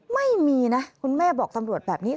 ไม่มีนะคุณแม่บอกตำรวจแบบนี้